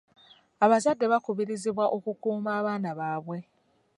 Abazadde bakubirizibwa okukuuma abaana baabwe.